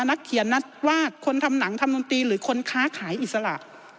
นักเขียนนัดว่าคนทำหนังทำดนตรีหรือคนค้าขายอิสระ